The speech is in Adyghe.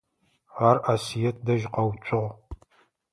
Ар Асыет дэжь къэуцугъ.